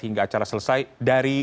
hingga acara selesai dari